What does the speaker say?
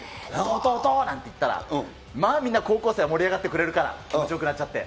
トトトトって言ったら、まあみんな高校生は盛り上がってくれるから、気持ちよくなっちゃって。